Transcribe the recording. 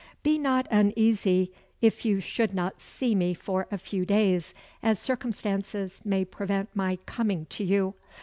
Be not uneasy if you should not see me for a few days, as circumstances may prevent my coming to you.